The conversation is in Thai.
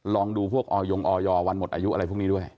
ลองดูพวกออยงออยวันหมดอายุอะไรพวกนี้ด้วย